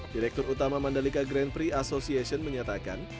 direktur utama mandalika grand prix association menyatakan